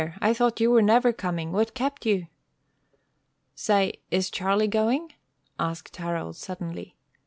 I thought you were never coming, What kept you?" "Say, is Charlie going?" asked Harold, suddenly.